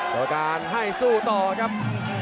ต้องการให้สู้ต่อครับ